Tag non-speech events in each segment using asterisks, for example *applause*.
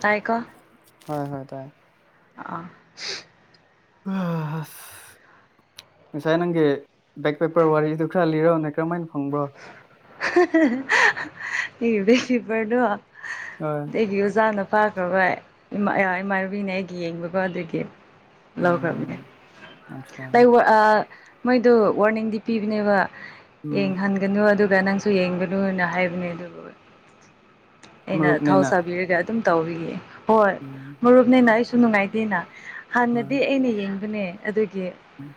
ꯇꯥꯏꯀꯣ ꯍꯣꯏ ꯍꯣꯏ ꯇꯥꯏ ꯑꯥ ꯑꯥ ꯍ ꯉꯁꯥꯏ ꯅꯪꯒꯤ ꯕꯦꯛ ꯄꯦꯄꯔ ꯋꯥꯔꯤꯗꯨ ꯈꯔ ꯂꯤꯔꯛꯎꯅꯦ ꯀꯔꯝꯃꯥꯏ ꯐꯪꯕ꯭ꯔꯣ ꯑꯩꯒꯤ ꯕꯦꯛ ꯄꯦꯄꯔꯗꯣ ꯍꯣꯏ ꯑꯩꯒꯤ ꯑꯣꯖꯥꯅ ꯄꯥꯈ꯭ꯔꯕ ꯏꯃꯥ ꯑꯦ ꯏꯃꯥꯟꯅꯕꯤꯅ ꯑꯩꯒꯤ ꯌꯦꯡꯕꯀꯣ ꯑꯗꯨꯒꯤ ꯂꯧꯔꯝꯃꯦ ꯎꯝ ꯑꯠꯆꯥ ꯂꯩꯋꯥ ꯑ ꯃꯣꯏꯗꯣ ꯋꯥꯔꯅꯤꯡꯗꯤ ꯄꯤꯕꯅꯦꯕ ꯎꯝ ꯌꯦꯡꯍꯟꯒꯅꯨ ꯑꯗꯨꯒ ꯅꯪ__ ꯁꯨ ꯌꯦꯡꯒꯅꯨꯅ ꯍꯥꯏꯕꯅꯦ ꯑꯗꯨꯕꯨ ꯑꯩꯅ ꯊꯥꯎ ꯃꯔꯨꯞꯅꯦꯅ ꯁꯥꯕꯤꯔꯒ ꯑꯗꯨꯝ ꯇꯧꯔꯤꯌꯦ ꯍꯣꯏ ꯎꯝ ꯃꯔꯨꯞꯅꯦꯅ ꯑꯩꯁꯨ ꯅꯨꯡꯉꯥꯏꯇꯦꯅ ꯍꯥꯟꯅꯗꯤ ꯑꯩꯅ ꯌꯦꯡꯕꯅꯦ ꯑꯗꯨꯒꯤ ꯎꯝ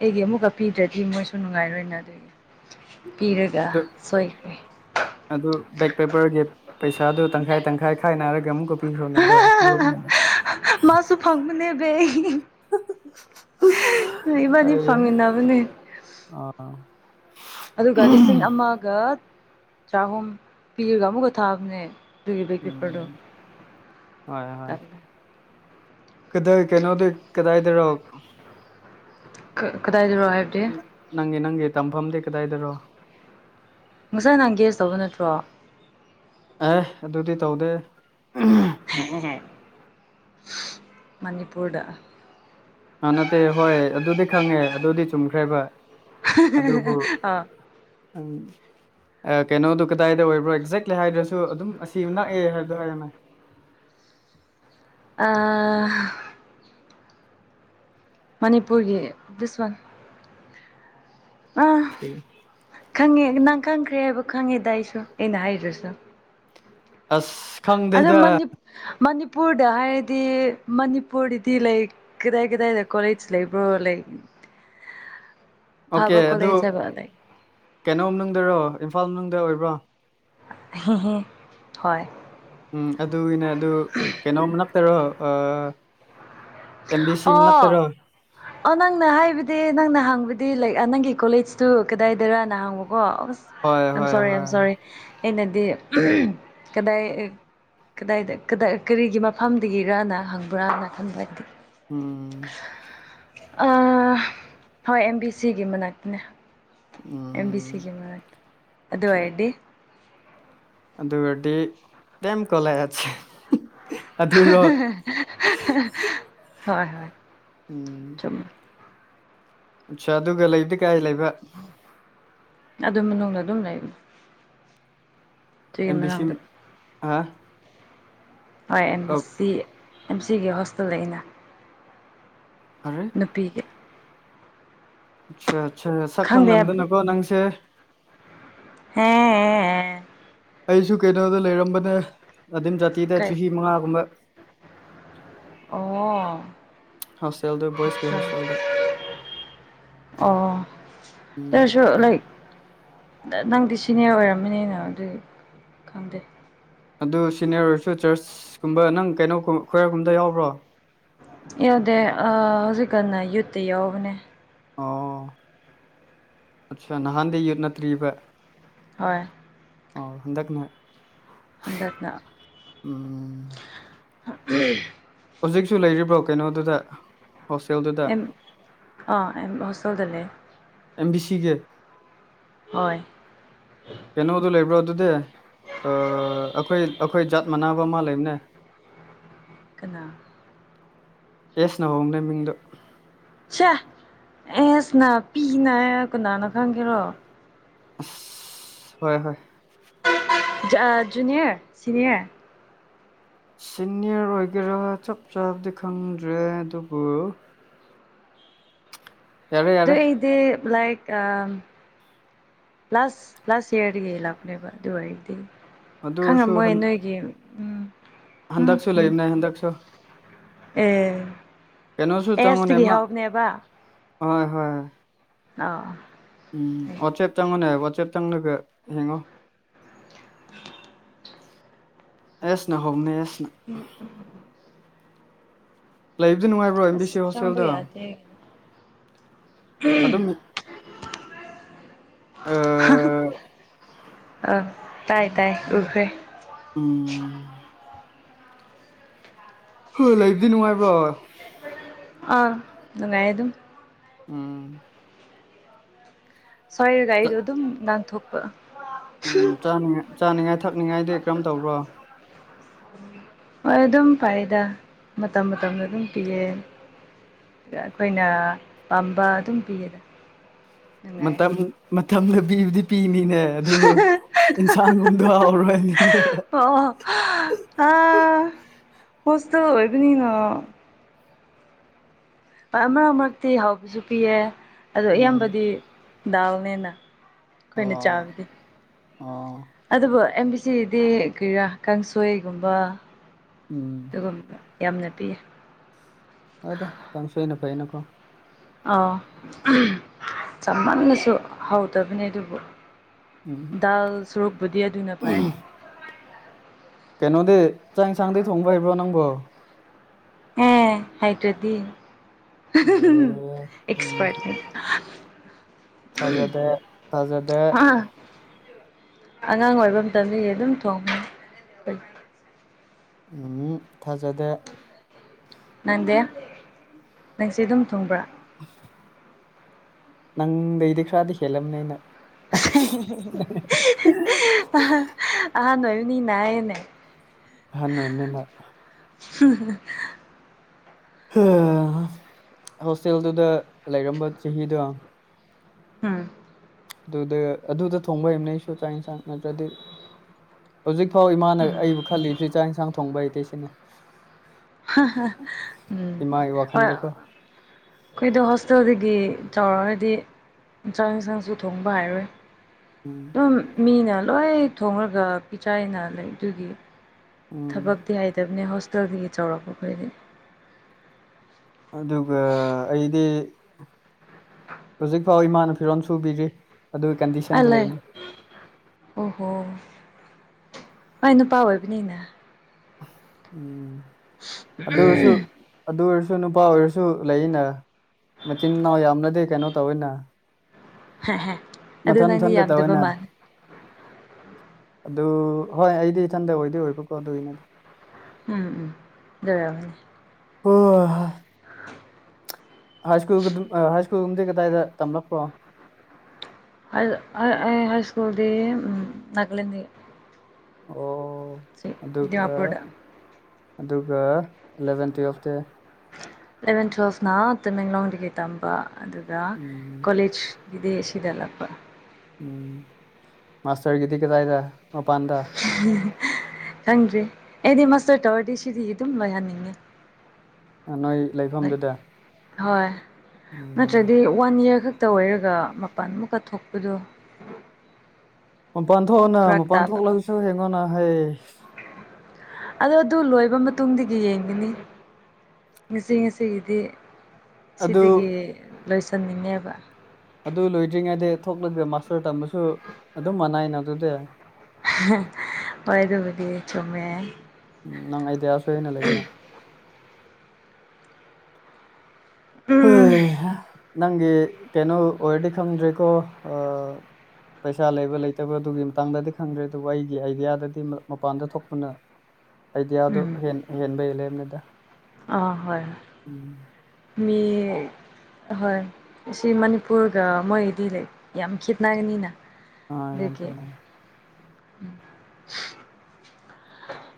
ꯑꯩꯒꯤ ꯑꯃꯨꯛꯀ ꯄꯤꯗ꯭ꯔꯗꯤ ꯃꯣꯏꯁꯨ ꯅꯨꯡꯉꯥꯏꯔꯣꯏꯅ ꯑꯗꯨꯒꯤ ꯄꯤꯔꯒ ꯑꯗꯨ ꯁꯣꯏꯈ꯭ꯔꯦ ꯑꯗꯨ ꯕꯦꯛ ꯄꯦꯄꯔꯒꯤ ꯄꯩꯁꯥꯗꯨ ꯇꯪꯈꯥꯏ ꯇꯪꯈꯥꯏ ꯈꯥꯏꯅꯔꯒ ꯑꯃꯨꯛꯀ ꯄꯤꯈ꯭ꯔꯣꯅ ꯑꯗꯣ ꯃꯔꯨꯞ *unintelligible* ꯄꯤ ꯏꯕꯥꯅꯤ ꯑꯩ ꯐꯪꯃꯤꯟꯅꯕꯅꯦ ꯑꯥ ꯑꯗꯨꯒ ꯂꯤꯁꯤꯡ ꯑꯃꯒ ꯆꯥꯍꯨꯝ ꯄꯤꯔꯒ ꯑꯃꯨꯛꯀ ꯊꯥꯕꯅꯦ ꯑꯗꯨꯒꯤ ꯕꯦꯛ ꯄꯦꯄꯔꯗꯣ ꯎꯝ ꯍꯣꯏ ꯍꯣꯏ ꯀꯗꯥꯏ ꯀꯩꯅꯣꯗꯤ ꯀꯗꯥꯏꯗꯔꯣ ꯀꯥ ꯀꯥꯗꯥꯏꯗꯔꯣ ꯍꯥꯏꯕ ꯅꯪꯒꯤ ꯅꯪꯒꯤ ꯇꯝꯐꯝꯗꯤ ꯀꯗꯥꯏꯗꯔꯣ ꯉꯁꯥꯏꯅ ꯒꯦꯖ ꯇꯧꯕ ꯅꯠꯇ꯭ꯔꯣ ꯑꯦ ꯑꯗꯨꯗꯤ ꯇꯧꯗꯦ ꯃꯅꯤꯄꯨꯔꯗ ꯑꯥ ꯅꯠꯇꯦ ꯍꯣꯏ ꯑꯗꯨꯗꯤ ꯈꯪꯉꯦ ꯑꯗꯨꯗꯤ ꯆꯨꯝꯈ꯭ꯔꯦꯕ ꯑꯣ ꯑꯪ ꯑꯥ ꯀꯩꯅꯣꯗꯨ ꯀꯗꯥꯏꯗ ꯑꯣꯏꯕ꯭ꯔꯣ ꯑꯦꯛꯖꯦꯛꯂꯤ ꯍꯥꯏꯗ꯭ꯔꯁꯨ ꯑꯗꯨꯝ ꯑꯁꯤ ꯅꯛꯑꯦ ꯍꯥꯏꯕꯗꯣ ꯍꯥꯏꯔꯝꯃꯦ ꯑꯥ ꯃꯅꯤꯄꯨꯔꯒꯤ ꯗꯤꯁꯋꯥꯟ ꯑꯥ ꯊꯤ ꯈꯪꯉꯦ ꯅꯪ ꯈꯪꯈ꯭ꯔꯦ ꯍꯥꯏꯕ ꯈꯪꯉꯦꯗ ꯑꯩꯁꯨ ꯑꯩꯅ ꯍꯥꯏꯗ꯭ꯔꯁꯨ ꯑꯁ ꯑꯗꯣ ꯈꯪꯗꯦꯗ ꯃꯅꯤꯞ ꯃꯅꯤꯄꯨꯔꯗ ꯍꯥꯏꯔꯗꯤ ꯃꯅꯤꯄꯨꯔꯗꯗꯤ ꯂꯥꯏꯛ ꯀꯗꯥꯏ ꯀꯗꯥꯏꯗ ꯀꯣꯂꯦꯖ ꯂꯩꯕ꯭ꯔꯣ ꯂꯩ *inaudible* ꯑꯣꯀꯦ ꯑꯗꯨ ꯀꯣꯂꯦꯖ ꯍꯥꯏꯕ ꯂꯩ ꯀꯩꯅꯣꯝꯅꯨꯡꯗꯔꯣ ꯏꯝꯐꯥꯜ ꯃꯅꯨꯡꯗ ꯑꯣꯏꯕ꯭ꯔꯣ ꯍꯣꯏ ꯎꯝ ꯑꯗꯨꯒꯤꯅꯦ ꯑꯗꯨ ꯀꯩꯅꯣꯝ ꯅꯞꯇꯔꯣ ꯑꯥ ꯑꯣ *inaudible* ꯑꯣ ꯅꯪꯅ ꯍꯥꯏꯕꯗꯤ ꯅꯪꯅ ꯍꯥꯡꯕꯗꯤ ꯂꯥꯏꯛ ꯑꯥ ꯅꯪꯒꯤ ꯀꯣꯂꯦꯖꯇꯨ ꯀꯗꯥꯏꯗꯔꯥꯅ ꯍꯥꯡꯕꯀꯣ ꯑꯁ ꯍꯣꯏ ꯑꯝ ꯍꯣꯏ ꯁꯣꯔꯤ ꯑꯝ ꯍꯣꯏ ꯁꯣꯔꯤ ꯑꯩꯅꯗꯤ ꯀꯗꯥꯏ ꯏ ꯀꯗꯥꯏꯗ ꯀꯗꯥꯏ ꯀꯔꯤꯒꯤ ꯃꯐꯝꯗꯒꯤꯔꯅ ꯍꯪꯕ꯭ꯔꯥꯅ ꯈꯟꯕ ꯑꯩꯗꯤ ꯎꯝ ꯑꯥ ꯍꯣꯏ ꯑꯦꯝ ꯕꯤ ꯁꯤꯒꯤ ꯃꯅꯥꯛꯇꯅꯦ ꯑꯦꯝ ꯕꯤ ꯎꯝ ꯁꯤ ꯒꯤ ꯃꯅꯥꯛ ꯑꯗꯨ ꯑꯆꯥ ꯑ‌ꯣꯏꯔꯗꯤ ꯑꯗꯨ ꯑ‌ꯣꯏꯔꯗꯤ ꯗ‌ꯦꯝ ꯀꯣꯂ‌ꯦꯁ ꯍꯣꯏ ꯍꯣꯏ ꯎꯝ ꯆꯨꯝꯃꯦ ꯑꯠꯁꯥ ꯑꯗꯨꯒ ꯂꯩꯕꯗꯤ ꯀꯥꯏ ꯂꯩꯕ ꯑꯗꯨꯝ ꯃꯅꯨꯡꯗ ꯑꯗꯨꯝ ꯂꯩꯕꯅ‌ꯦ ꯑ‌ꯦꯝ ꯕꯤꯁꯤꯝ ꯃꯅꯨꯡꯗ ꯑꯥ ꯍꯣꯏ ꯑꯦꯝ ꯕꯤ ꯁꯤ ꯑꯦꯝ ꯁꯤꯒꯤ ꯍꯣꯁꯇꯦꯜ ꯂꯩꯅ ꯑꯔꯦ ꯅꯨꯄꯤꯒꯤ ꯑꯠꯆꯥ ꯑꯠꯆꯥ ꯁꯛ ꯈꯪꯗꯦ ꯈꯪꯂꯝꯗꯅꯀꯣ ꯅꯪꯁꯦ ꯍ‌ꯦ ꯑꯩꯁꯨ ꯀꯩꯅꯣꯗ ꯂꯩꯔꯝꯕꯅꯦ ꯑꯗꯨꯝ ꯖꯥꯇꯤꯗ ꯀꯩ ꯆꯍꯤ ꯃꯉꯥꯒꯨꯝꯕꯥ ꯑꯣ ꯍꯣꯁꯇꯦꯜꯗ ꯕꯣꯏꯁꯀꯤ ꯍꯣꯁꯇꯦꯜꯗ ꯎꯝ ꯈꯔ ꯂꯩ ꯅ ꯅꯪꯗꯤ ꯁꯤꯅꯤꯌꯔ ꯑꯣꯏꯔꯝꯃꯤꯅ ꯑꯗꯨꯗꯤ ꯈꯪꯗꯦ ꯑꯗꯨ ꯁꯤꯅꯤꯌꯔ ꯑꯣꯏꯔꯁꯨ ꯆꯔꯁ ꯀꯨꯝꯕ ꯅꯪ ꯀꯩꯅꯣꯒꯨꯝ ꯈꯌꯥꯔ ꯒꯨꯝꯗ ꯌꯥꯎꯕ꯭ꯔꯣ ꯌꯥꯎꯗꯦ ꯑꯥ ꯍꯧꯖꯤꯛꯀꯟꯅ ꯌꯨꯠꯇ ꯌꯥꯎꯕꯅꯦ ꯑꯣ ꯑꯠꯆꯥ ꯅꯍꯥꯟꯗꯩ ꯌ‌ꯦꯠꯅ ꯇ꯭ꯔꯤꯕ ꯍꯣꯏ ꯑꯥꯎ ꯍꯟꯗꯛꯅ ꯍꯟꯗꯛꯅ ꯎꯝ ꯍꯧꯖꯤꯛꯁꯨ ꯂꯩꯔꯤꯕ꯭ꯔꯣ ꯀꯩꯅꯣꯗꯨꯗ ꯍꯣꯁꯇ‌ꯦꯜꯗꯨꯗ ꯑ‌ꯦꯝ ꯑꯥ ꯑꯦꯝ ꯍꯣꯁꯇꯦꯜꯗ ꯂꯩ ꯑꯦꯝꯕꯤ ꯁꯤꯒꯤ ꯍꯣꯏ ꯀꯩꯅꯣ ꯗꯨ ꯂꯩꯕ꯭ꯔ ꯑꯗꯨꯗꯤ ꯑꯥ ꯑꯈꯣꯏ ꯑꯈꯣꯏ ꯖꯥꯠ ꯃꯅꯥꯕ ꯑꯃꯥ ꯂꯩꯕꯅꯦ ꯀꯅꯥ ꯑꯦꯁ ꯅ ꯍꯧꯕꯅꯦ ꯃꯤꯡꯗꯣ ꯁꯥ ꯑꯦꯁ ꯅ ꯄꯤꯅꯥ ꯀꯅꯥꯅ ꯈꯪꯒꯦꯔꯣ ꯍꯣꯏ ꯍꯣꯏ ꯖ ꯖꯨꯅꯤꯌꯔ ꯁꯤꯅꯤꯌꯔ ꯁꯤꯅꯤꯌꯔ ꯑꯣꯏꯒꯦꯔꯥ ꯆꯞ ꯆꯥꯕꯗꯤ ꯈꯪꯗ꯭ꯔꯦ ꯑꯗꯨꯕꯨ ꯌꯥꯔꯦ ꯗꯥ ꯌꯥꯔꯦ ꯑꯩꯗꯤ ꯂꯥꯏꯔꯤꯛ ꯑꯝ ꯂꯥꯁ ꯂꯥꯁ ꯏꯌꯔꯗꯒꯤ ꯂꯥꯛꯄꯅꯦꯕ ꯑꯗꯨ ꯑ‌ꯣꯏꯗꯤ ꯑꯗꯨ ꯑꯣꯏꯔꯁꯨ ꯈꯉꯝꯃꯣꯏ ꯍꯟ ꯅꯣꯏꯒꯤ ꯎꯝ ꯎꯝ ꯍꯟꯗꯛꯁꯨ ꯎꯝ ꯂꯩꯕꯅꯦ ꯍꯟꯗꯛꯁꯨ ꯑꯦ ꯀꯩꯅꯣꯁꯨ ꯆꯪꯉꯨꯅꯦ ꯑꯦꯁꯇꯒꯤ ꯑꯃ ꯍꯧꯕꯅꯦꯕ ꯍꯣꯏ ꯍꯣꯏ *unintelligible* ꯎꯝ ꯋꯥꯆꯦꯞ ꯆꯪꯉꯣꯅꯦ ꯋꯥꯆꯦꯞ ꯆꯪꯂꯒ ꯌꯦꯡꯉꯣ *unintelligible* ꯑꯦꯁꯅ ꯍꯣꯡꯅ‌ꯦꯁ ꯅ ꯎꯝ ꯎꯝ ꯂꯩꯕꯗꯨ ꯅꯨꯡꯉꯥꯏꯕ꯭ꯔꯣ ꯑꯦꯝ ꯕꯤ ꯑꯁ ꯁꯤ ꯆꯪꯕ ꯍꯣꯁꯇꯦꯜꯗ ꯌꯥꯗꯦ ꯑꯗꯨꯝ ꯑꯥ ꯑ ꯇꯥꯏ ꯇꯥꯏ ꯎꯈ꯭ꯔꯦ ꯎꯝ ꯎꯝ ꯍ‌ꯣꯏ ꯂꯩꯕꯗꯤ ꯅꯨꯡꯉꯥꯏꯕ꯭ꯔꯣ ꯑ ꯅꯨꯡꯉꯥꯏ ꯑꯗꯨꯝ ꯎꯝ ꯁꯣꯏꯔꯒ ꯆꯥ ꯑꯩꯗꯣ ꯑꯗꯨꯝ ꯅꯥꯟꯊꯣꯛꯄ ꯎꯝ ꯆꯥꯅꯤꯉꯥꯏ ꯆꯥꯅꯤꯉꯥꯏ ꯊꯛꯅꯤꯉꯥꯏꯗꯤ ꯀꯔꯝ ꯇꯧꯕ꯭ꯔꯣ ꯍꯣꯏ ꯑꯗꯨꯝ ꯐꯩꯗꯥ ꯃꯇꯝ ꯃꯇꯝꯗ ꯑꯗꯨꯝ ꯄꯤꯌꯦ ꯑꯩꯈꯣꯏꯅ ꯄꯝꯕ ꯑꯗꯨꯝ ꯄꯤꯌꯦꯗ ꯅꯨꯡꯉꯥꯏ ꯃꯇꯝ ꯃꯇꯝꯗ ꯄꯤꯕꯗꯤ ꯄꯤꯅꯤꯅꯦ ꯑꯗꯨ ꯏꯟꯁꯥꯡꯒꯨꯝꯗꯣ ꯍꯥꯎꯔꯣꯏꯅꯤ *unintelligible* ꯍ‌ꯣꯁꯇꯜ ꯑꯣꯏꯕꯅꯤꯅꯥ ꯑꯥ ꯃꯔꯛ ꯃꯔꯛꯇꯤ ꯍꯥꯎꯕꯁꯨ ꯄꯤꯌꯦ ꯑꯗꯣ ꯎꯝ ꯑꯌꯥꯝꯕꯗꯤ ꯗꯥꯜꯅꯦꯅꯥ ꯑꯣ ꯑꯣ ꯑꯗꯨꯕꯨ ꯑꯦꯝ ꯕꯤ ꯁꯤꯗꯤ ꯀꯔꯤꯔꯥ ꯀꯥꯡꯁꯣꯏꯒꯨꯝꯕ ꯎꯝ ꯑꯗꯨꯒꯨꯝꯕ ꯌꯥꯝꯅ ꯄꯤ ꯍꯣꯏꯗꯥ ꯀꯥꯡꯁꯨꯣꯏꯅ ꯐꯩꯅꯥꯀꯣ ꯑꯧ ꯆꯥꯃꯟꯂꯁꯨ ꯍꯧꯇꯕꯅꯤ ꯑꯗꯨꯕꯨ ꯎꯝ ꯗꯥꯜ ꯁ꯭ꯔꯨꯛꯕꯨꯗꯤ ꯑꯗꯨꯅ ꯐꯥꯏ ꯀꯩꯅꯣꯗꯤ ꯆꯥꯛ ꯏꯟꯁꯥꯡꯗꯤ ꯊꯣꯡꯕ ꯍꯩꯕ꯭ꯔꯣ ꯅꯪꯕꯣ ꯑꯦ ꯍꯩꯇ꯭ꯔꯗꯤ ꯑꯦ ꯎꯝ ꯑꯦꯛꯁꯄ‍꯭ꯔꯠꯅꯤ ꯍꯥ ꯊꯥꯖꯗꯦ ꯊꯥꯖꯗꯦ ꯑꯉꯥꯡ ꯑꯣꯏꯕ ꯃꯇꯝꯗꯒꯤ ꯑꯗꯨꯝ ꯊꯣꯡ ꯎꯝ ꯊꯥꯖꯗꯦ ꯅꯪꯗꯦ ꯅꯪꯁꯦ ꯑꯗꯨꯝ ꯊꯨꯡꯕ꯭ꯔꯥ *unintelligible* ꯅꯪꯗꯩꯗꯤ ꯈꯔꯗꯤ ꯍꯦꯜꯂꯝꯅꯦ ꯑꯩꯅ ꯑꯍꯟ ꯑꯣꯏꯕꯅꯤꯅ ꯍꯥꯏꯌ‌ꯣꯅꯦ ꯑꯥꯍꯟ ꯑꯣꯏꯕꯅꯤꯅꯥ *unintelligible* ꯍꯣꯁꯇꯦꯜꯗꯨꯗ ꯂꯩꯔꯝꯕ ꯆꯍꯤꯗꯣ ꯎꯝ ꯑꯗꯨꯗ ꯑꯗꯨꯗ ꯊꯣꯡꯕ ꯍꯩꯕꯅ‌ꯦ ꯑꯩꯁꯨ ꯆꯥꯛ ꯏꯟꯁꯥꯡ ꯅꯠꯇ꯭ꯔꯗꯤ ꯍꯧꯖꯤꯛ ꯐꯥꯎ ꯏꯃꯥꯅ ꯑꯩꯕꯨ ꯈꯜꯂꯤꯕꯁꯤ ꯆꯥꯛ ꯏꯟꯁꯥꯡ ꯊꯣꯡꯕ ꯍꯩꯇ‌ꯦ ꯁꯤꯅꯦ ꯎꯝ ꯏꯃꯥꯒꯤ ꯍꯣꯏ ꯋꯥꯈꯜꯗꯀꯣ ꯈꯣꯏꯗꯣ ꯍꯣꯁꯇꯦꯜꯗꯒꯤ ꯇꯧꯔꯗꯤ ꯆꯥꯛ ꯌꯦꯟꯁꯥꯡ ꯏꯟꯁꯥꯡꯁꯨ ꯊꯣꯡꯕ ꯍꯥꯏꯔꯣꯏ ꯎꯝ ꯎꯝ ꯃꯤꯅ ꯂꯣꯏ ꯊꯣꯡꯉꯒ ꯄꯤꯆꯥꯏꯅ ꯂꯩ ꯑꯗꯨꯒꯤ ꯎꯝ ꯊꯕꯛꯇꯤ ꯍꯩꯇꯕꯅꯦ ꯍꯣꯁꯇꯦꯜꯗꯒꯤ ꯆꯥꯎꯔꯛꯄꯈꯣꯏꯗꯤ ꯑꯗꯨꯒ ꯑꯩꯗꯤ ꯍꯧꯖꯤꯛ ꯍ ꯏꯃꯥꯅ ꯐꯤꯔꯣꯟ ꯁꯨꯕꯤꯔꯤ ꯑꯗꯨꯒꯤ ꯀꯟꯗꯤꯁꯟꯗ ꯂꯩꯅꯤ ꯑꯣ ꯍꯣꯏ ꯅꯨꯄꯥ ꯑꯣꯏꯕꯅꯤꯅ ꯎꯝ ꯑꯗꯨꯑꯣꯏꯔꯁꯨ ꯑꯗꯨ ꯑꯣꯏꯔꯁꯨ ꯅꯨꯄꯥ ꯑꯣꯏꯔꯁꯨ ꯂꯩꯅ ꯃꯆꯤꯟ ꯃꯅꯥꯎ ꯌꯥꯝꯅꯗꯤ ꯀꯩꯅꯣ ꯇꯧꯋꯤꯅ ꯍꯦ ꯍꯦ ꯃꯊꯟ ꯃꯊꯟꯗ ꯇꯧꯋꯦꯅꯦ ꯑꯗꯨ ꯍꯣꯏ ꯑꯩꯗꯤ ꯏꯊꯟꯇ ꯑꯣꯏꯗꯣꯏ ꯑꯣꯏꯕꯀꯣ ꯑꯗꯨꯒꯤꯅꯦꯗ ꯎꯝ ꯎꯝ ꯗꯨꯏ ꯑꯣꯏꯔꯝꯅꯤ ꯍꯣꯏ ꯍꯣꯏ ꯍꯥꯏ ꯁ꯭ꯀꯨꯜ ꯍꯥꯏ ꯁ꯭ꯀꯨꯜꯒꯨꯝꯗꯤ ꯀꯗꯥꯏꯗ ꯇꯝꯂꯛꯄ꯭ꯔꯣ ꯍꯥꯏ ꯁ꯭ꯀꯨꯜꯗꯤ ꯅꯒꯂꯦꯟꯒꯤ ꯑꯣ ꯑꯗꯨꯒ ꯗꯤꯃꯥꯄꯨꯔꯗ ꯑꯗꯨꯒ ꯑꯦꯂꯚꯦꯟ ꯇꯨꯋꯦꯜꯐ ꯇꯤ ꯑꯦꯂꯕꯦꯟ ꯇꯨꯋꯦꯜꯐꯅ ꯇꯃꯦꯡꯂꯣꯡꯗꯒꯤ ꯇꯝꯕ ꯑꯗꯨꯒ ꯎꯝ ꯀꯣꯂꯦꯖ ꯏꯗꯤ ꯁꯤꯗ ꯂꯥꯛꯄ ꯎꯝ ꯃꯥꯁꯇꯔꯒꯤꯗꯤ ꯀꯗꯥꯏꯗ ꯃꯄꯥꯟꯗꯥ ꯈꯪꯗ꯭ꯔꯔꯤ ꯑꯩꯗꯤ ꯃꯥꯁꯇꯔ ꯇꯔꯗꯤ ꯁꯤꯗꯤ ꯑꯗꯨꯝ ꯂꯣꯏꯍꯟꯅꯤꯡꯉꯦ ꯅꯣꯏ ꯂꯥꯏꯛ ꯂꯩꯐꯝꯗꯨꯗ ꯍꯣꯏ ꯎꯝ ꯅꯠꯇ꯭ꯔꯗꯤ ꯋꯥꯟ ꯏꯌꯔ ꯈꯛꯇ ꯑꯣꯏꯔꯒ ꯃꯄꯥꯟꯃꯨꯛꯀ ꯊꯣꯛꯄꯗꯣ ꯃꯄꯥꯟ ꯊꯣꯛꯑꯅ ꯐꯔꯛ ꯃꯄꯥꯟ ꯊꯣꯛꯂꯒꯁꯨ ꯍꯡꯉꯣꯅ ꯍꯥꯏꯌꯦ ꯑꯣ ꯑꯗꯨ ꯂꯣꯏꯕ ꯃꯇꯨꯡꯗꯒꯤ ꯌꯦꯡꯒꯅꯤ ꯉꯁꯤ ꯉꯁꯤꯒꯤꯗꯤ ꯑꯗꯨ ꯁꯤꯗꯒꯤ ꯂꯣꯏꯁꯟꯅꯤꯡꯅꯦꯕ ꯑꯗꯨ ꯂꯣꯏꯗ꯭ꯔꯤꯉꯩꯗ ꯊꯣꯛꯂꯒ ꯃꯥꯁꯇꯔ ꯇꯝꯕꯁꯨ ꯑꯗꯨꯝ ꯃꯅꯥꯏꯅ ꯑꯗꯨꯗꯤ ꯍꯣꯏ ꯑꯗꯨꯕꯨꯗꯤ ꯆꯨꯝꯃꯦ ꯎꯝ ꯅꯪ ꯑꯩꯗꯤꯌꯥ ꯁꯣꯏꯅꯥ ꯂꯩꯅꯦ ꯎꯝ ꯍꯣꯏ ꯅꯪꯒꯤ ꯀꯩꯅꯩ ꯑꯣꯔꯗꯤ ꯈꯪꯗꯔꯦꯀꯣ ꯑ ꯄꯩꯁꯥ ꯂꯩꯕ ꯂꯩꯇꯕ ꯑꯗꯨꯒꯤ ꯃꯇꯥꯡꯗꯗꯤ ꯈꯪꯗ꯭ꯔꯦ ꯑꯗꯨꯕꯨ ꯑꯩꯒꯤ ꯑꯥꯏꯗꯤꯌꯥꯗꯗꯤ ꯃꯄꯥꯟꯗ ꯊꯣꯛꯄꯅ ꯑꯩꯗꯤꯌꯥꯗꯣ ꯍꯦꯟ ꯍꯦꯟꯕꯩ ꯂꯦꯟꯅꯦꯗꯥ ꯑ ꯍꯣꯏ ꯍꯣꯏ ꯃꯤ ꯍꯍꯣꯏ ꯁꯤ ꯃꯅꯤꯄꯨꯔꯒ ꯃꯣꯏꯗꯤ ꯂꯩ ꯌꯥꯝ ꯈꯤꯠꯅ ꯒꯅꯤꯅ ꯑꯥ ꯌꯥꯝ ꯑꯗꯨꯒꯤ‌ ꯈꯦꯠꯅꯔꯦ ꯎꯝ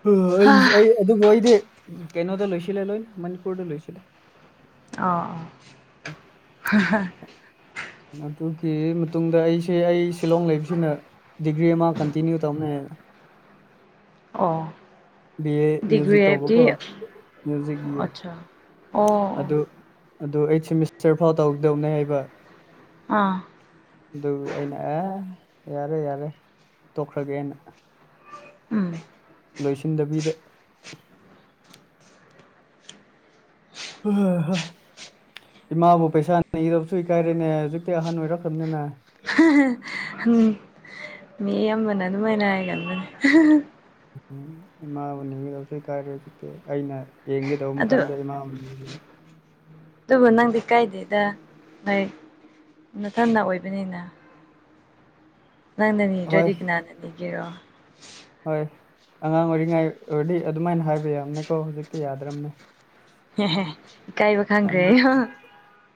ꯍ ꯑꯩ ꯑꯩ ꯑꯗꯨꯕꯨ ꯑꯩꯗꯤ ꯀꯩꯅꯣꯗ ꯂꯣꯏꯁꯤꯜꯂꯦ ꯂꯣꯏꯅ ꯃꯅꯤꯄꯨꯔꯗ ꯂꯣꯏꯁꯤꯜꯂꯦ ꯑꯣ *unintelligible* *unintelligible* ꯑꯗꯨꯒꯤ ꯃꯇꯨꯡꯗ ꯑꯩꯁꯦ ꯑꯩ ꯁꯤꯂꯣꯡ ꯂꯩꯕꯁꯤꯅ ꯗꯤꯒ꯭ꯔꯤ ꯑꯃ ꯀꯟꯇꯤꯅꯌꯨ ꯇꯝꯅꯦꯅ ꯑꯣ ꯕꯤ ꯑꯦ ꯗꯤꯒ꯭ꯔꯤ ꯃ꯭ꯌꯨꯖꯤꯛ ꯍꯥꯏꯕꯗꯤ ꯇꯧꯕꯀꯣ ꯃ꯭ꯌꯨꯖꯤꯛ ꯕꯤ ꯑꯦ ꯑꯆꯥ ꯑꯣ ꯑꯗꯨ ꯑꯗꯨ ꯑꯩꯠ ꯁꯦꯃꯤꯁꯇꯔ ꯐꯥꯎ ꯇꯧꯒꯗꯧꯅꯦ ꯍꯥꯏꯕ ꯑꯥ ꯑꯗꯨꯒꯤ ꯑꯩꯅ ꯑꯦ ꯌꯥꯔꯦ ꯌꯥꯔꯦ ꯇꯣꯛꯈ꯭ꯔꯒꯦꯅ ꯎꯝ ꯂꯣꯏꯁꯤꯟꯗꯕꯤꯗ *unintelligible* ꯏꯃꯥꯕꯨ ꯄꯩꯁꯥ ꯅꯤꯔꯕꯁꯨ ꯏꯀꯥꯏꯔꯦꯅꯦ ꯍꯧꯖꯤꯛꯇꯤ ꯑꯍꯟ ꯑꯣꯏꯔꯛꯈ꯭ꯔꯕꯅꯤꯅ *unintelligible* ꯃꯤ ꯑꯃꯅ ꯑꯗꯨꯃꯥꯏꯅ ꯌꯥꯝꯅ ꯎꯝ ꯏꯃꯥꯕꯨ ꯅꯤꯒꯗꯧꯁꯨ ꯏꯀꯥꯏꯔꯦ ꯍꯧꯖꯤꯛꯇꯤ ꯑꯩꯅ ꯌꯦꯡꯒꯦꯇꯧꯕ ꯑꯗꯨ ꯃꯇꯝꯗ ꯏꯃꯥꯕꯨ ꯅꯤꯔꯤꯌꯦ ꯑꯗꯨꯕꯨ ꯅꯪꯗꯤ ꯀꯥꯏꯗꯦꯗ ꯅꫭꯏ ꯅꯊꯟꯇ ꯑꯣꯏꯕꯅꯤꯅ ꯅꯪꯅ ꯍꯣꯏ ꯅꯤꯗ꯭ꯔꯗꯤ ꯀꯅꯥꯅ ꯅꯤꯒꯦꯔꯣ ꯍꯣꯏ ꯑꯉꯥꯡ ꯑꯣꯏꯔꯤꯉꯩ ꯑꯣꯏꯔꯗꯤ ꯑꯗꯨꯃꯥꯏꯅ ꯍꯥꯏꯕ ꯌꯥꯕꯅꯦꯀꯣ ꯍꯧꯖꯤꯛꯇꯤ ꯌꯥꯗ꯭ꯔꯕꯅꯦ ꯍꯦꯍꯦ ꯏꯀꯥꯏꯕ ꯍꯥꯏꯕꯗꯤ ꯈꯪꯈ꯭ꯔꯦꯌꫭ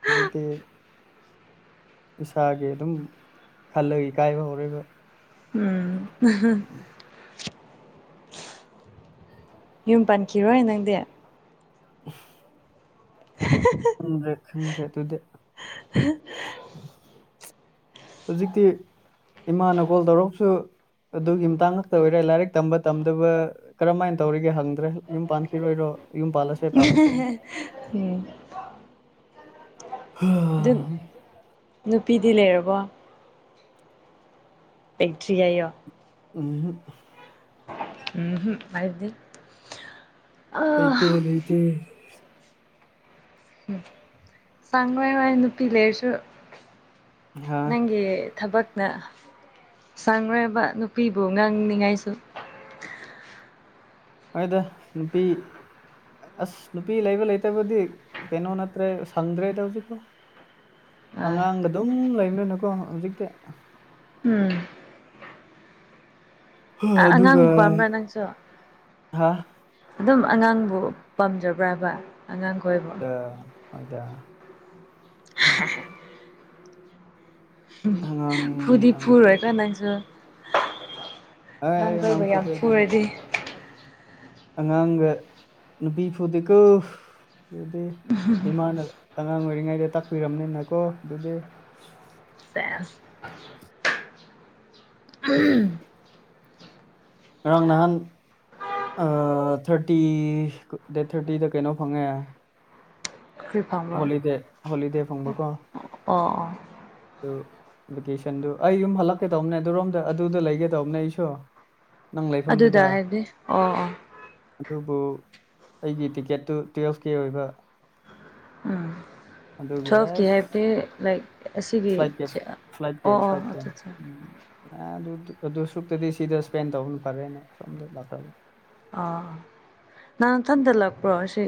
ꯍꯧꯖꯤꯛꯇꯤ ꯏꯁꯥꯒꯤ ꯑꯗꯨꯝ ꯈꯜꯂꯒ ꯏꯀꯥꯏꯕ ꯍꯧꯔꯦꯕ ꯎꯝ ꯌꯨꯝ ꯄꯥꯟꯈꯤꯔꯣꯏ ꯅꯪꯗꯤ ꯎꯞ *unintelligible* ꯈꯪꯗ꯭ꯔꯦ ꯈꯪꯗ꯭ꯔꯦ ꯑꯗꯨꯗꯤ *unintelligible* ꯍꯧꯖꯤꯛꯇꯤ ꯏꯃꯥꯅ ꯀꯣꯜ ꯇꯧꯔꯛꯄꯁꯨ ꯑꯗꯨꯒꯤ ꯃꯇꯥꯡ ꯉꯥꯛꯇ ꯑꯣꯏꯔꯦ ꯂꯥꯏꯔꯤꯛ ꯇꯝꯕ ꯇꯝꯗꯕ ꯀꯔꯝꯍꯥꯏꯅ ꯇꯧꯔꯤꯒꯦ ꯍꯪꯗ꯭ꯔꯦ ꯌꯨꯝ ꯄꯥꯟꯈꯤꯔꯣꯏꯗ꯭ꯔꯣ ꯎꯝ ꯑꯗꯨꯝ ꯅꯨꯄꯤꯗꯤ ꯂꯩꯔꯕꯣ ꯂꯩꯇ꯭ꯔꯤ ꯍꯥꯏꯌꫭ ꯎꯝ ꯍꯨꯝ ꯎꯝ ꯍꯨꯝ ꯍꯥꯏꯗꯤ ꯑꯥ ꯂꯩꯇꯦ ꯂꯩꯇꯦ ꯎꯝ ꯆꯪꯉꫭꯏ ꯍꫭꯏ ꯅꯨꯄꯤ ꯂꯩꯔꯁꯨ ꯍꯥ ꯅꯪꯒꯤ ꯊꯕꯛ ꯅ ꯁꯪꯉꯣꯏꯕ ꯅꯨꯄꯤꯕꯨ ꯉꯥꯡꯅꯤꯡꯉꯥꯏꯁꯨ ꯍꯣꯏꯗ ꯅꯨꯄꯤ ꯑꯁ ꯅꯨꯄꯤ ꯂꯩꯕ ꯂꯩꯇꯕꯗꯤ ꯀꯩꯅꯣ ꯅꯠꯇ꯭ꯔꯦ ꯁꯪꯗ꯭ꯔꯦꯗ ꯍꯧꯖꯤꯛꯀꯣ ꯑꯥ ꯑꯉꯥꯡꯒ ꯑꯗꯨꯝ ꯂꯩꯕꯅꯤꯅꯀꯣ ꯍꯧꯖꯤꯛꯇꯤ ꯎꯝ ꯍꯥ ꯑꯗꯨꯒ ꯑꯉꯥꯡ ꯄꯥꯝꯕ꯭ꯔꯥ ꯅꯪꯁꯨ ꯍꯥ ꯑꯗꯨꯝ ꯑꯉꯥꯡꯕꯨ ꯄꯥꯝꯖꯕ꯭ꯔꯕ ꯑꯉꯥꯡ ꯈꯣꯏꯕꯨ ꯍꯣꯏꯗ ꯍꯣꯏꯗ *unintelligible* ꯑꯉꯥꯡ ꯐꯨꯗꯤ ꯑꯉꯥꯡ ꯐꯨꯔꯣꯏꯀꯣ ꯅꯪꯁꯨ ꯑꯩ ꯅꯪ ꯑꯉꯥꯡ ꯀꯣꯏꯕ ꯌꯥꯝ ꯐꯨꯗꯦ ꯑꯗꯨꯗꯤ ꯐꯨꯔꯗꯤ ꯑꯉꯥꯡꯒ ꯅꯨꯄꯤ ꯐꯨꯗꯦꯀꯣ ꯑꯗꯨꯗꯤ ꯏꯃꯥꯅ ꯑꯉꯥꯡ ꯑꯣꯏꯔꯤꯉꯩꯗ ꯇꯥꯛꯄꯤꯔꯝꯅꯤꯅꯀꯣ ꯑꯗꯨꯗꯤ ꯁꯦꯁ *unintelligible* *unintelligible* ꯉꯔꯥꯡ ꯅꯍꯥꯟ ꯑꯥ ꯊꯥꯔꯇꯤ ꯗꯦꯠ ꯊꯥꯔꯇꯤꯗ ꯀꯩꯅꯣ ꯐꯪꯉꯦ *unintelligible* ꯍꯣꯂꯤꯗꯦ ꯍꯣꯂꯤꯗꯦ ꯐꯪꯕꯀꯣ ꯑꯣ ꯑꯣ ꯑꯗꯨ ꯚꯦꯀꯦꯁꯟꯗꯨ ꯑꯩ ꯌꯨꯝ ꯍꯜꯂꯛꯀꯦ ꯇꯧꯕꯅꯦ ꯑꯗꯨꯔꯣꯝꯗ ꯑꯗꯨꯗ ꯂꯩꯒꯦ ꯇꯧꯕꯅꯦ ꯑꯩꯁꯨ ꯅꯪ ꯑꯗꯨꯗ ꯂꯩꯐꯝꯗꯨꯗ ꯍꯥꯏꯕꯗꯤ ꯑꯣ ꯑꯣ ꯑꯗꯨꯕꯨ ꯑꯩꯒꯤ ꯇꯤꯛꯀꯦꯠꯇꯨ ꯇꯨꯋꯦꯜꯐ ꯀꯦ ꯑꯣꯏꯕ ꯎꯝ ꯑꯗꯨꯒꯤ ꯇ꯭ꯦꯜꯐꯀꯦ ꯑꯁ ꯍꯥꯏꯕꯗꯤ ꯂꯥꯏꯛ ꯑꯁꯤꯒꯤ ꯐ꯭ꯂꯥꯏꯠꯀꯤ ꯑꯣ ꯑꯣ ꯑꯠꯆꯥ ꯆꯥ ꯑꯥ ꯑꯗꯨꯗꯨ ꯑꯗꯨ ꯁꯨꯛꯇꯗꯤ ꯁꯤꯗ ꯏꯁꯄꯦꯟ ꯇꯧꯕꯅ ꯐꯔꯦꯅ ꯁꯣꯝꯗ ꯂꯥꯛꯈ꯭ꯔꯕ ꯑꯥ ꯅꯪ ꯊꯟꯗ ꯂꯥꯛꯄ꯭ꯔꯣ ꯁꯤ